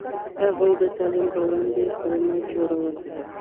هغوی د تعلیم په وړاندې پلمه جوړوله.